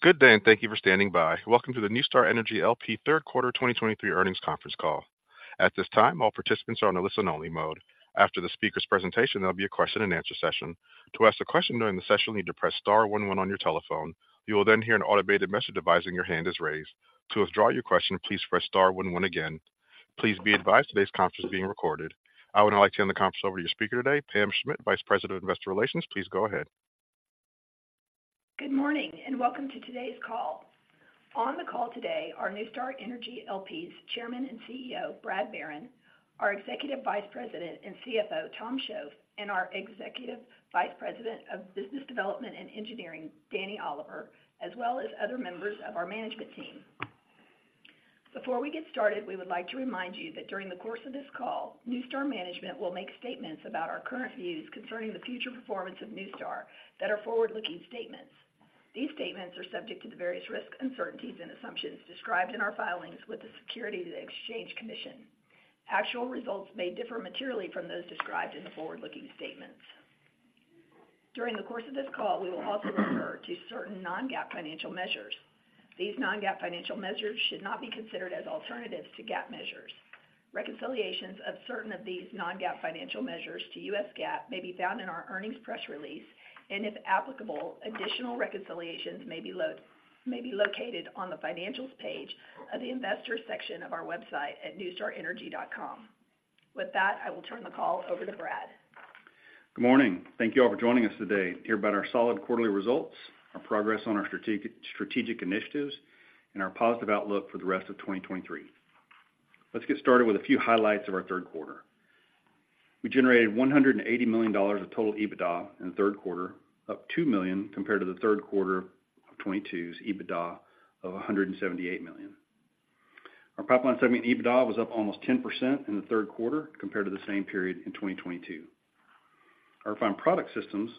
Good day and thank you for standing by. Welcome to the NuStar Energy LP third quarter 2023 earnings conference call. At this time, all participants are on a listen only mode. After the speaker's presentation, there'll be a question-and-answer session. To ask a question during the session, you need to press star one one on your telephone. You will then hear an automated message advising your hand is raised. To withdraw your question, please press star one one again. Please be advised today's conference is being recorded. I would now like to turn the conference over to your speaker today, Pam Schmidt, Vice President of Investor Relations. Please go ahead. Good morning, and welcome to today's call. On the call today are NuStar Energy LP.'s Chairman and CEO, Brad Barron, our Executive Vice President and CFO, Tom Shoaf, and our Executive Vice President of Business Development and Engineering, Danny Oliver, as well as other members of our management team. Before we get started, we would like to remind you that during the course of this call, NuStar management will make statements about our current views concerning the future performance of NuStar that are forward-looking statements. These statements are subject to the various risks, uncertainties, and assumptions described in our filings with the Securities and Exchange Commission. Actual results may differ materially from those described in the forward-looking statements. During the course of this call, we will also refer to certain non-GAAP financial measures. These non-GAAP financial measures should not be considered as alternatives to GAAP measures. Reconciliations of certain of these non-GAAP financial measures to U.S. GAAP may be found in our earnings press release, and if applicable, additional reconciliations may be located on the Financials page of the Investors section of our website at nustarenergy.com. With that, I will turn the call over to Brad. Good morning. Thank you all for joining us today to hear about our solid quarterly results, our progress on our strategic initiatives, and our positive outlook for the rest of 2023. Let's get started with a few highlights of our third quarter. We generated $180 million of total EBITDA in the third quarter, up $2 million compared to the third quarter of 2022's EBITDA of $178 million. Our pipeline segment EBITDA was up almost 10% in the third quarter compared to the same period in 2022. Our refined product systems,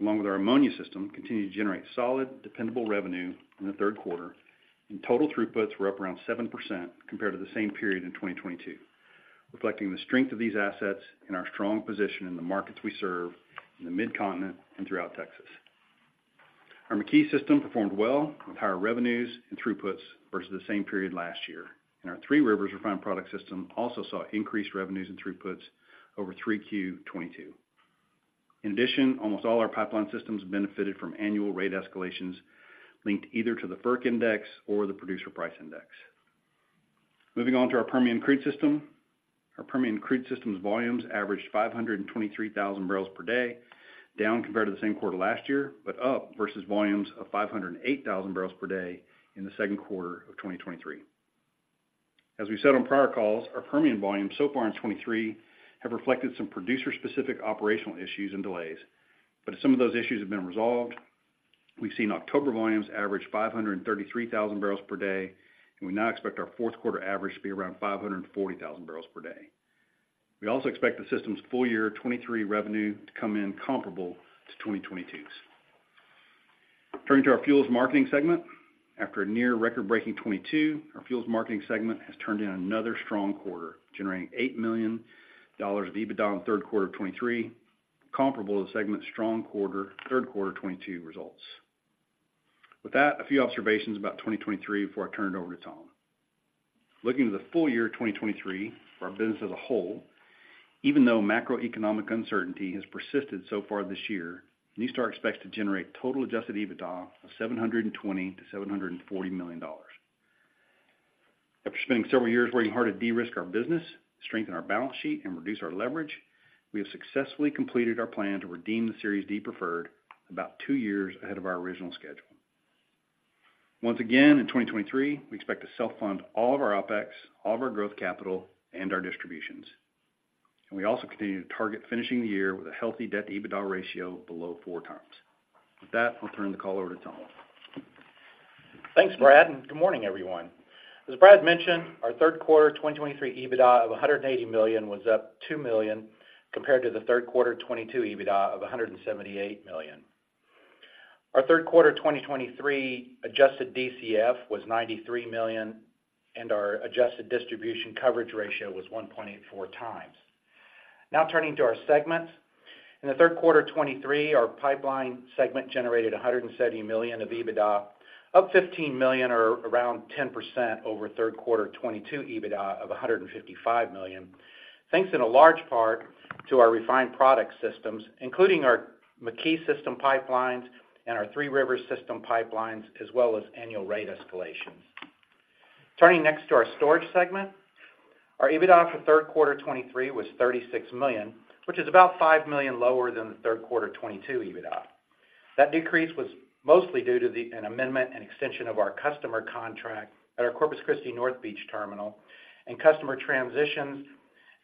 along with our ammonia system, continued to generate solid, dependable revenue in the third quarter, and total throughputs were up around 7% compared to the same period in 2022, reflecting the strength of these assets and our strong position in the markets we serve in the Mid-Continent and throughout Texas. Our McKee system performed well with higher revenues and throughputs versus the same period last year, and our Three Rivers refined product system also saw increased revenues and throughputs over 3Q 2022. In addition, almost all our pipeline systems benefited from annual rate escalations linked either to the FERC Index or the Producer Price Index. Moving on to our Permian Crude system. Our Permian Crude system's volumes averaged 523,000 bbl per day, down compared to the same quarter last year, but up versus volumes of 508,000 bbl per day in the second quarter of 2023. As we said on prior calls, our Permian volumes so far in 2023 have reflected some producer-specific operational issues and delays. But as some of those issues have been resolved, we've seen October volumes average 533,000 bbl per day, and we now expect our fourth quarter average to be around 540,000 bbl per day. We also expect the system's full year 2023 revenue to come in comparable to 2022's. Turning to our fuels marketing segment. After a near record-breaking 2022, our fuels marketing segment has turned in another strong quarter, generating $8 million of EBITDA in the third quarter of 2023, comparable to the segment's strong quarter, third quarter 2022 results. With that, a few observations about 2023 before I turn it over to Tom. Looking to the full year of 2023 for our business as a whole, even though macroeconomic uncertainty has persisted so far this year, NuStar expects to generate total adjusted EBITDA of $720 million-$740 million. After spending several years working hard to de-risk our business, strengthen our balance sheet, and reduce our leverage, we have successfully completed our plan to redeem the Series D preferred about two years ahead of our original schedule. Once again, in 2023, we expect to self-fund all of our OpEx, all of our growth capital, and our distributions. We also continue to target finishing the year with a healthy debt-to-EBITDA ratio below 4x. With that, I'll turn the call over to Tom. Thanks, Brad, and good morning, everyone. As Brad mentioned, our third quarter 2023 EBITDA of $180 million was up $2 million compared to the third quarter 2022 EBITDA of $178 million. Our third quarter 2023 adjusted DCF was $93 million, and our adjusted distribution coverage ratio was 1.84x. Now, turning to our segments. In the third quarter of 2023, our pipeline segment generated $170 million of EBITDA, up $15 million or around 10% over third quarter 2022 EBITDA of $155 million. Thanks in a large part to our refined product systems, including our McKee system pipelines and our Three Rivers system pipelines, as well as annual rate escalations. Turning next to our storage segment. Our EBITDA for third quarter 2023 was $36 million, which is about $5 million lower than the third quarter 2022 EBITDA. That decrease was mostly due to an amendment and extension of our customer contract at our Corpus Christi North Beach terminal and customer transitions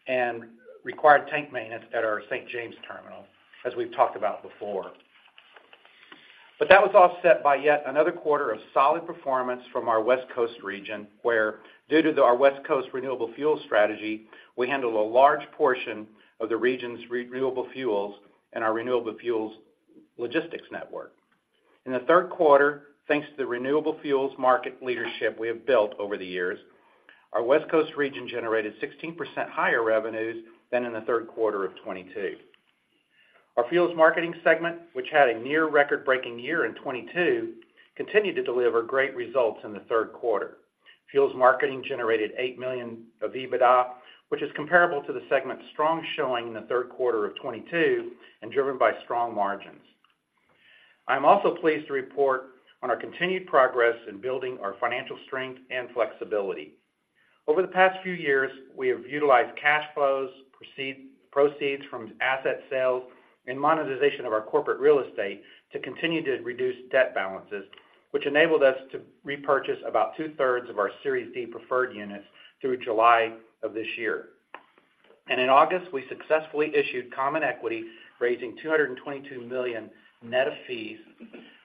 and required tank maintenance at our St. James terminal, as we've talked about before. But that was offset by yet another quarter of solid performance from our West Coast region, where, due to our West Coast renewable fuel strategy, we handle a large portion of the region's renewable fuels and our renewable fuels logistics network. In the third quarter, thanks to the renewable fuels market leadership we have built over the years, our West Coast region generated 16% higher revenues than in the third quarter of 2022. Our fuels marketing segment, which had a near record-breaking year in 2022, continued to deliver great results in the third quarter. Fuels marketing generated $8 million of EBITDA, which is comparable to the segment's strong showing in the third quarter of 2022 and driven by strong margins. I'm also pleased to report on our continued progress in building our financial strength and flexibility. Over the past few years, we have utilized cash flows, proceeds from asset sales, and monetization of our corporate real estate to continue to reduce debt balances, which enabled us to repurchase about two-thirds of our Series D Preferred Units through July of this year. And in August, we successfully issued common equity, raising $222 million net of fees,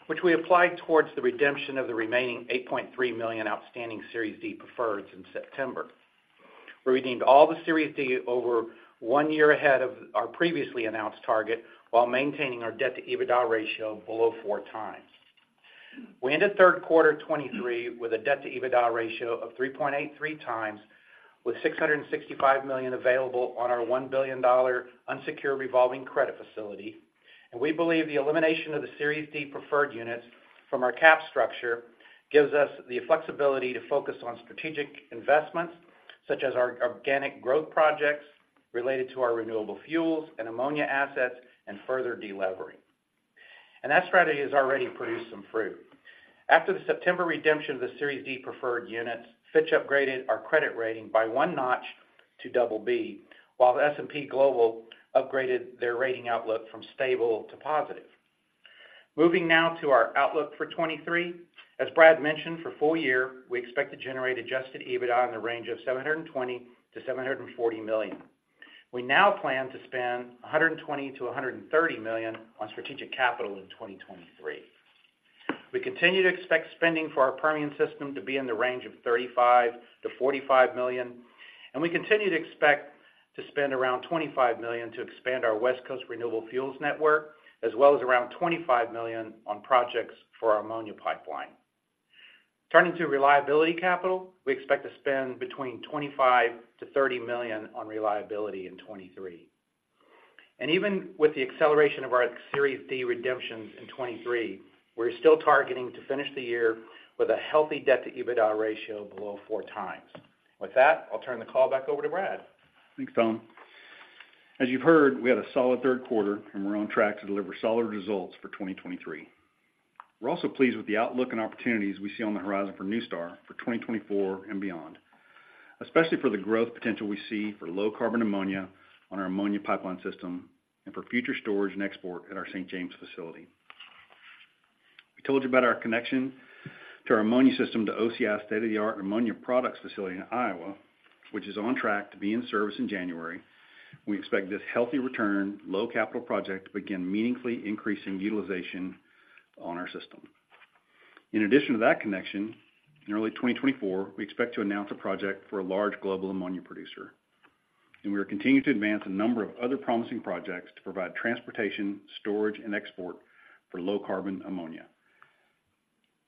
which we applied towards the redemption of the remaining $8.3 million outstanding Series D preferreds in September. We redeemed all the Series D over one year ahead of our previously announced target, while maintaining our debt-to-EBITDA ratio below 4x. We ended third quarter 2023 with a debt-to-EBITDA ratio of 3.83x, with $665 million available on our $1 billion unsecured revolving credit facility. We believe the elimination of the Series D preferred units from our cap structure gives us the flexibility to focus on strategic investments, such as our organic growth projects related to our renewable fuels and ammonia assets, and further delevering. That strategy has already produced some fruit. After the September redemption of the Series D preferred units, Fitch upgraded our credit rating by one notch to BB, while S&P Global upgraded their rating outlook from stable to positive. Moving now to our outlook for 2023. As Brad mentioned, for full year, we expect to generate adjusted EBITDA in the range of $720 million-$740 million. We now plan to spend $120 million-$130 million on strategic capital in 2023. We continue to expect spending for our Permian system to be in the range of $35 million-$45 million, and we continue to expect to spend around $25 million to expand our West Coast renewable fuels network, as well as around $25 million on projects for our ammonia pipeline. Turning to reliability capital, we expect to spend between $25 million to $30 million on reliability in 2023. And even with the acceleration of our Series D redemptions in 2023, we're still targeting to finish the year with a healthy debt-to-EBITDA ratio below 4x. With that, I'll turn the call back over to Brad. Thanks, Tom. As you've heard, we had a solid third quarter, and we're on track to deliver solid results for 2023. We're also pleased with the outlook and opportunities we see on the horizon for NuStar for 2024 and beyond, especially for the growth potential we see for low-carbon ammonia on our ammonia pipeline system and for future storage and export at our St. James facility. We told you about our connection to our ammonia system to OCI's state-of-the-art ammonia products facility in Iowa, which is on track to be in service in January. We expect this healthy return, low capital project to begin meaningfully increasing utilization on our system. In addition to that connection, in early 2024, we expect to announce a project for a large global ammonia producer, and we are continuing to advance a number of other promising projects to provide transportation, storage, and export for low-carbon ammonia.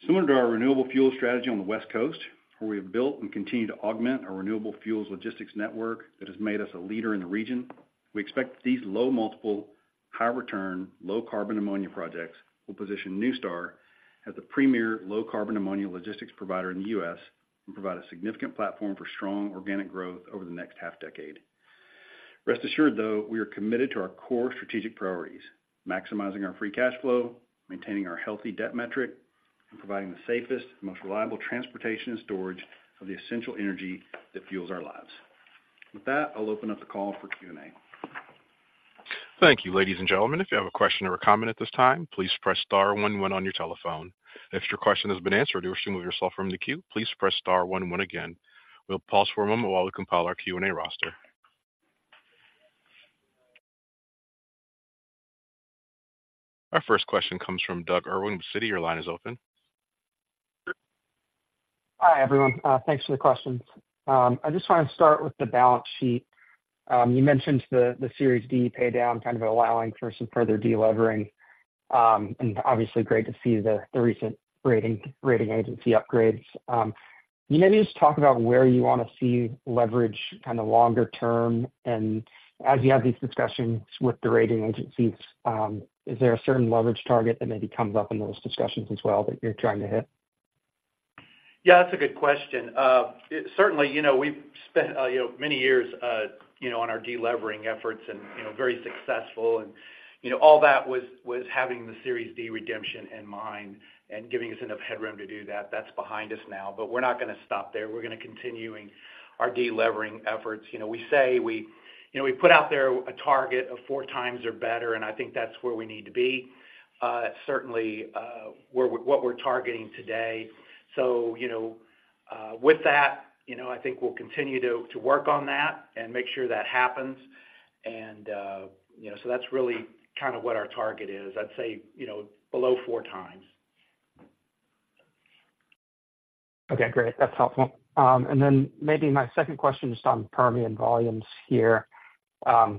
Similar to our renewable fuel strategy on the West Coast, where we have built and continue to augment our renewable fuels logistics network that has made us a leader in the region, we expect these low multiple, high return, low carbon ammonia projects will position NuStar as the premier low-carbon ammonia logistics provider in the U.S. and provide a significant platform for strong organic growth over the next half decade. Rest assured, though, we are committed to our core strategic priorities: maximizing our free cash flow, maintaining our healthy debt metric, and providing the safest, most reliable transportation and storage of the essential energy that fuels our lives. With that, I'll open up the call for Q&A. Thank you, ladies and gentlemen. If you have a question or a comment at this time, please press star one one on your telephone. If your question has been answered or you wish to remove yourself from the queue, please press star one one again. We'll pause for a moment while we compile our Q&A roster. Our first question comes from Doug Irwin, Citi. Your line is open. Hi, everyone, thanks for the questions. I just want to start with the balance sheet. You mentioned the Series D pay down, kind of allowing for some further delevering, and obviously great to see the recent rating agency upgrades. Can you maybe just talk about where you want to see leverage kind of longer term? As you have these discussions with the rating agencies, is there a certain leverage target that maybe comes up in those discussions as well that you're trying to hit? Yeah, that's a good question. Certainly, you know, we've spent, you know, many years, you know, on our delevering efforts and, you know, very successful. And, you know, all that was, was having the Series D redemption in mind and giving us enough headroom to do that. That's behind us now, but we're not going to stop there. We're going to continuing our delevering efforts. You know, we say we put out there a target of 4x or better, and I think that's where we need to be, certainly, what we're targeting today. So, you know, with that, you know, I think we'll continue to work on that and make sure that happens. And, you know, so that's really kind of what our target is. I'd say, you know, below 4x. Okay, great. That's helpful. And then maybe my second question, just on Permian volumes here.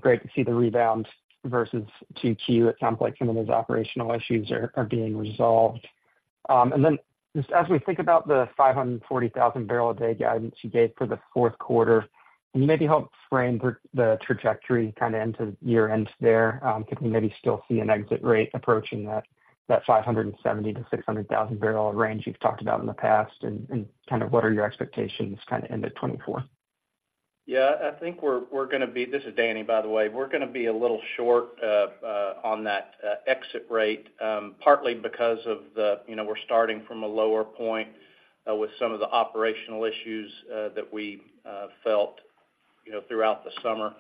Great to see the rebound versus 2Q. It sounds like some of those operational issues are being resolved. And then just as we think about the 540,000 bbl a day guidance you gave for the fourth quarter, can you maybe help frame the trajectory kind of into year-end there? Can we maybe still see an exit rate approaching that 570,000-600,000 bbl range you've talked about in the past, and kind of what are your expectations kind of into 2024? Yeah, I think we're gonna be, This is Danny, by the way. We're gonna be a little short on that exit rate, partly because of the, you know, we're starting from a lower point with some of the operational issues that we felt, you know, throughout the summer.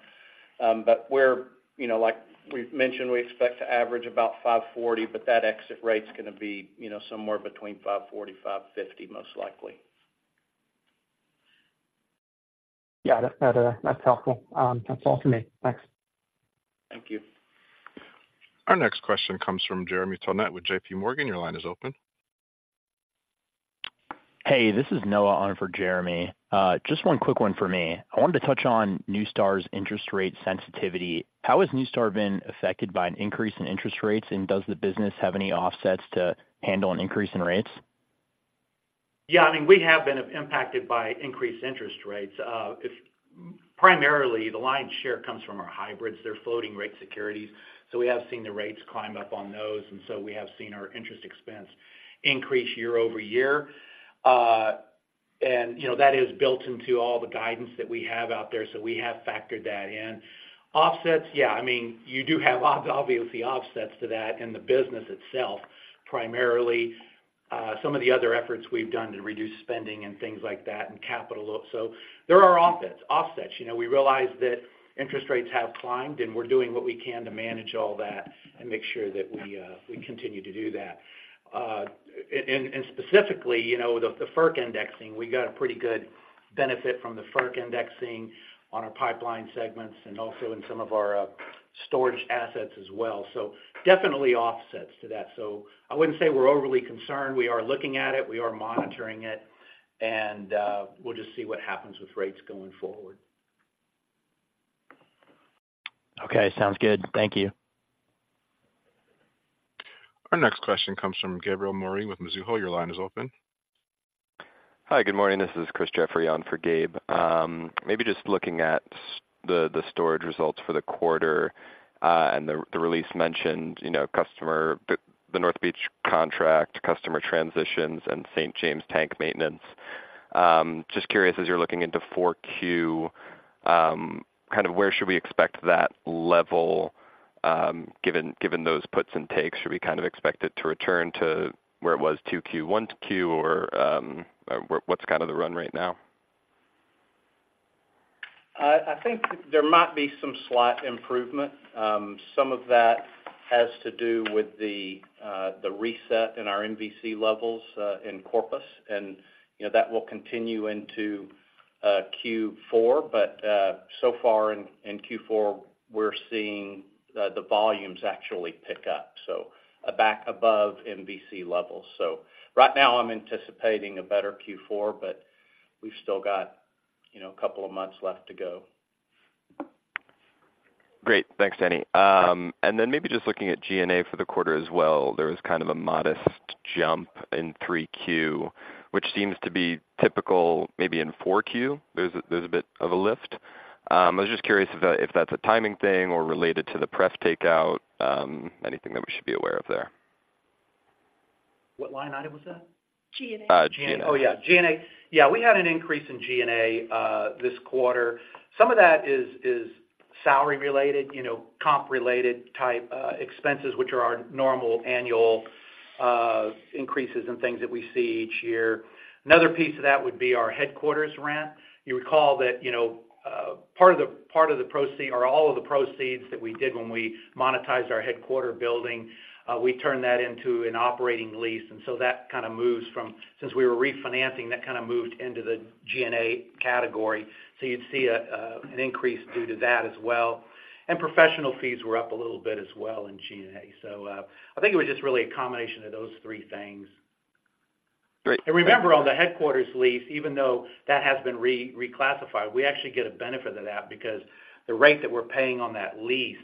But we're, you know, like we've mentioned, we expect to average about 540, but that exit rate's gonna be, you know, somewhere between 540-550, most likely. Yeah, that, that's helpful. That's all for me. Thanks. Thank you. Our next question comes from Jeremy Tonet with JP Morgan. Your line is open. Hey, this is Noah on for Jeremy. Just one quick one for me. I wanted to touch on NuStar's interest rate sensitivity. How has NuStar been affected by an increase in interest rates, and does the business have any offsets to handle an increase in rates? Yeah, I mean, we have been impacted by increased interest rates. Primarily, the lion's share comes from our hybrids. They're floating rate securities, so we have seen the rates climb up on those, and so we have seen our interest expense increase year-over-year. You know, that is built into all the guidance that we have out there, so we have factored that in. Offsets, yeah, I mean, you do have obviously offsets to that in the business itself, primarily, some of the other efforts we've done to reduce spending and things like that, and capital. So there are offsets, offsets. You know, we realize that interest rates have climbed, and we're doing what we can to manage all that and make sure that we continue to do that. And specifically, you know, the FERC indexing, we got a pretty good benefit from the FERC indexing on our pipeline segments and also in some of our storage assets as well. So definitely offsets to that. So I wouldn't say we're overly concerned. We are looking at it, we are monitoring it, and we'll just see what happens with rates going forward. Okay. Sounds good. Thank you. Our next question comes from Gabriel Moreen with Mizuho. Your line is open. Hi, good morning. This is Chris Jeffrey on for Gabe. Maybe just looking at the storage results for the quarter, and the release mentioned, you know, customer the North Beach contract, customer transitions, and St. James tank maintenance. Just curious, as you're looking into 4Q, kind of where should we expect that level, given those puts and takes? Should we kind of expect it to return to where it was 2Q, 1Q, or what's kind of the run rate now? I think there might be some slight improvement. Some of that has to do with the reset in our MVC levels in Corpus, and, you know, that will continue into Q4. But so far in Q4, we're seeing the volumes actually pick up, so back above MVC levels. So right now I'm anticipating a better Q4, but we've still got, you know, a couple of months left to go. Great. Thanks, Danny. And then maybe just looking at G&A for the quarter as well, there was kind of a modest jump in 3Q, which seems to be typical. Maybe in 4Q, there's a bit of a lift. I was just curious if that's a timing thing or related to the pref takeout, anything that we should be aware of there? What line item was that? G&A. Uh, G&A. Oh, yeah, G&A. Yeah, we had an increase in G&A this quarter. Some of that is salary related, you know, comp related type expenses, which are our normal annual increases in things that we see each year. Another piece of that would be our headquarters rent. You would recall that, you know, part of the proceeds or all of the proceeds that we did when we monetized our headquarters building, we turned that into an operating lease, and so that kind of moves from. Since we were refinancing, that kind of moved into the G&A category. So you'd see a an increase due to that as well. And professional fees were up a little bit as well in G&A. So, I think it was just really a combination of those three things. Great. Remember, on the headquarters lease, even though that has been reclassified, we actually get a benefit of that because the rate that we're paying on that lease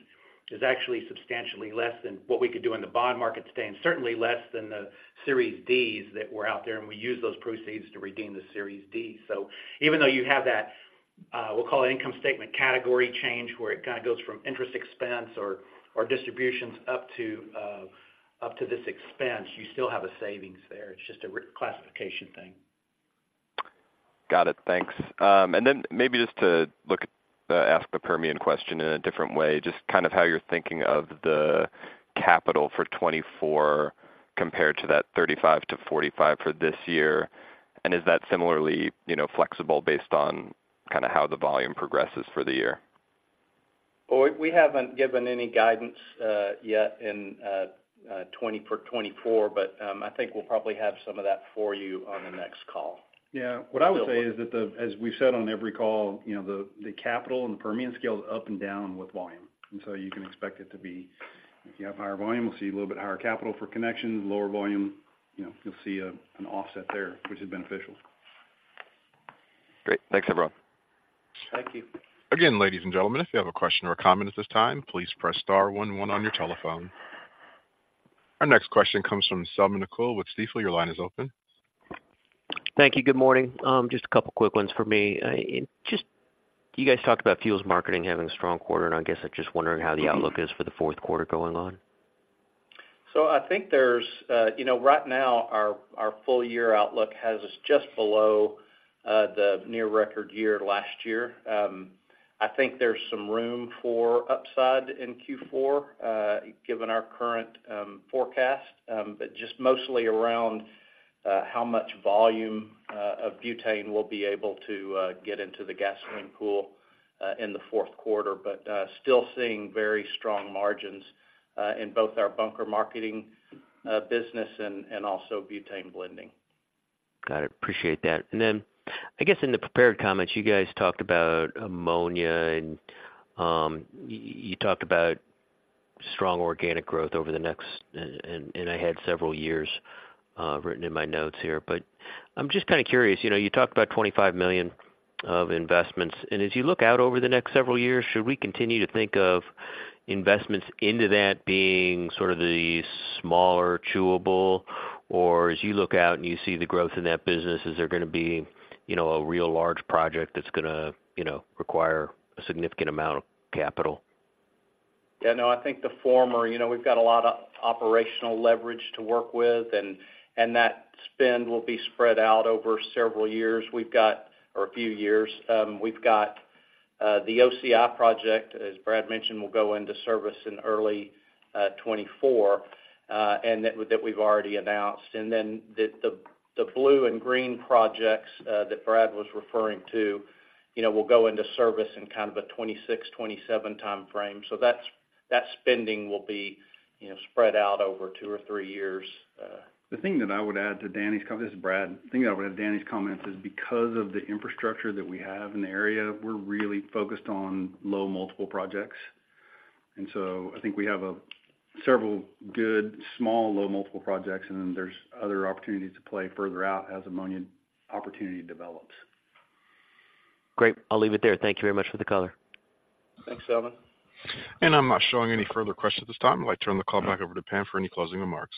is actually substantially less than what we could do in the bond market today, and certainly less than the Series Ds that were out there, and we used those proceeds to redeem the Series Ds. So even though you have that, we'll call it income statement category change, where it kind of goes from interest expense or distributions up to this expense, you still have a savings there. It's just a reclassification thing. Got it. Thanks. Then maybe just to look at, ask the Permian question in a different way, just kind of how you're thinking of the capital for 2024 compared to that 35-45 for this year, and is that similarly, you know, flexible based on kind of how the volume progresses for the year? Well, we haven't given any guidance yet in 2024, but I think we'll probably have some of that for you on the next call. Yeah. What I would say is that, as we've said on every call, you know, the capital and the Permian scale is up and down with volume, and so you can expect it to be. If you have higher volume, we'll see a little bit higher capital for connections, lower volume, you know, you'll see an offset there, which is beneficial. Great. Thanks, everyone. Thank you. Again, ladies and gentlemen, if you have a question or a comment at this time, please press star one one on your telephone. Our next question comes from Selman Akyol with Stifel. Your line is open. Thank you. Good morning. Just a couple of quick ones for me. Just, you guys talked about fuels marketing having a strong quarter, and I guess I'm just wondering how the outlook is for the fourth quarter going on? I think there's, you know, right now, our full year outlook has us just below the near record year last year. I think there's some room for upside in Q4, given our current forecast, but just mostly around how much volume of butane we'll be able to get into the gasoline pool in the fourth quarter, but still seeing very strong margins in both our bunker marketing business and also butane blending. Got it. Appreciate that. And then I guess in the prepared comments, you guys talked about ammonia and you, you talked about strong organic growth over the next, and I had several years written in my notes here, but I'm just kind of curious, you know, you talked about $25 million of investments, and as you look out over the next several years, should we continue to think of investments into that being sort of the smaller chewable? Or as you look out and you see the growth in that business, is there gonna be, you know, a real large project that's gonna, you know, require a significant amount of capital? Yeah, no, I think the former. You know, we've got a lot of operational leverage to work with, and that spend will be spread out over several years or a few years. We've got the OCI project, as Brad mentioned, will go into service in early 2024, and that we've already announced. And then the blue and green projects that Brad was referring to, you know, will go into service in kind of a 2026-2027 time frame. So that spending will be, you know, spread out over two or three years. The thing that I would add to Danny's comment, this is Brad. The thing that I would add to Danny's comments is because of the infrastructure that we have in the area, we're really focused on low multiple projects. And so I think we have a several good, small, low multiple projects, and then there's other opportunities to play further out as ammonia opportunity develops. Great. I'll leave it there. Thank you very much for the color. Thanks, Selman. I'm not showing any further questions at this time. I'd like to turn the call back over to Pam for any closing remarks.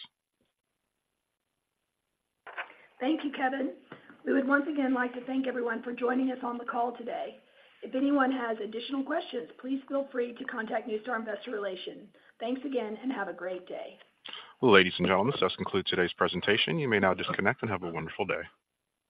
Thank you, Kevin. We would once again like to thank everyone for joining us on the call today. If anyone has additional questions, please feel free to contact NuStar Investor Relations. Thanks again and have a great day. Well, ladies and gentlemen, this does conclude today's presentation. You may now disconnect and have a wonderful day.